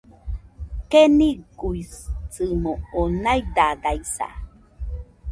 Keniguisɨmo oo naidadaisa